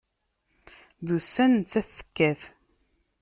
D ussan nettat tekkat.